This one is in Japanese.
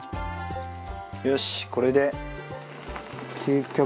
よしこれで。